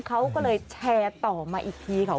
เขาก็เลยแชร์ต่อมาอีกทีค่ะ